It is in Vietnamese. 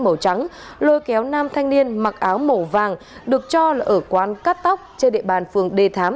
màu trắng lôi kéo nam thanh niên mặc áo màu vàng được cho là ở quán cắt tóc trên địa bàn phường đề thám